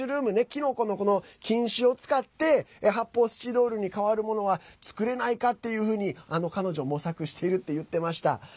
きのこの、この菌糸を使って発泡スチロールに代わるものは作れないかっていうふうに彼女、模索しているって言っていました。